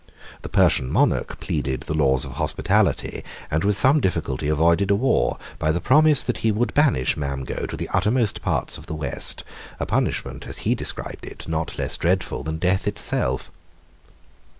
The Persian monarch pleaded the laws of hospitality, and with some difficulty avoided a war, by the promise that he would banish Mamgo to the uttermost parts of the West, a punishment, as he described it, not less dreadful than death itself.